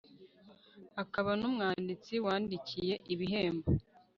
akaba n'umwanditsi watsindiye ibihembo